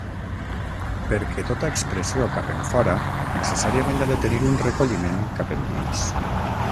Perquè tota expressió cap enfora, necessàriament ha de tenir un recolliment cap endins.